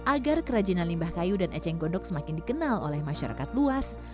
agar kerajinan limbah kayu dan eceng gondok semakin dikenal oleh masyarakat luas